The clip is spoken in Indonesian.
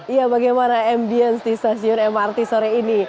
ya bagaimana ambience di stasiun mrt sore ini